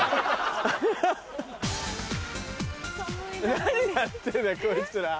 何やってんだこいつら。